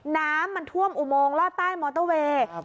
น้ำมันท่วมอุโมงลอดใต้มอเตอร์เวย์